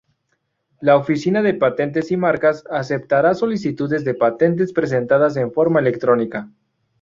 La Oficina de Patentes y Marcas aceptará solicitudes de patentes presentadas en forma electrónica.